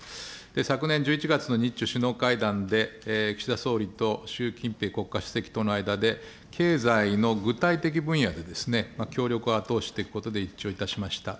昨年１１月の日中首脳会談で、岸田総理と習近平国家主席との間で、経済の具体的分野でですね、協力を後押ししていくことで一致をいたしました。